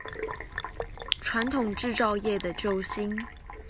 傳統製造業的救星